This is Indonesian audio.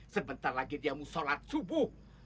sebentar lagi dia mau sholat subuh